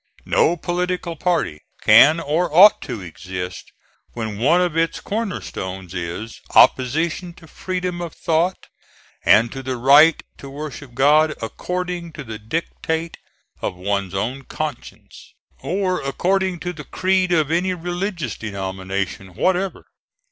No political party can or ought to exist when one of its corner stones is opposition to freedom of thought and to the right to worship God "according to the dictate of one's own conscience," or according to the creed of any religious denomination whatever.